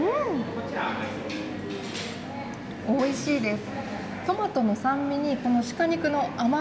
おいしいです。